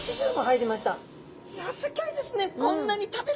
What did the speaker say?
いやすギョいですね。